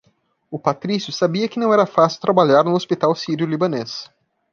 O Patrício sabia que não era fácil trabalhar no Hospital Sírio Libanês.